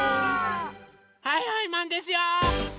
はいはいマンですよ！